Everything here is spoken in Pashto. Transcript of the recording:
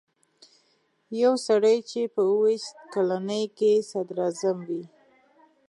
یو سړی چې په اووه ویشت کلنۍ کې صدراعظم وي.